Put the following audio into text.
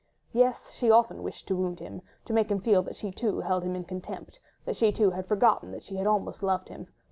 Yes! she often wished to wound him, to make him feel that she too held him in contempt, that she too had forgotten that once she had almost loved him.